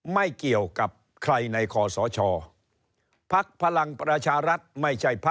ไม่เกี่ยวกับใครใน